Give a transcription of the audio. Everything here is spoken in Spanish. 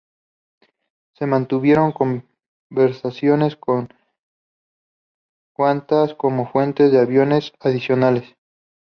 Se mantuvieron conversaciones con Qantas como fuente de aviones adicionales.